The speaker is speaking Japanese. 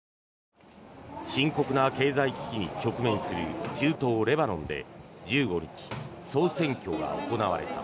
深刻な経済危機に直面する中東レバノンで１５日、総選挙が行われた。